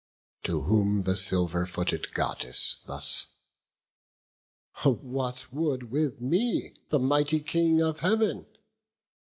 To whom the silver footed Goddess thus: "What would with me the mighty King of Heav'n?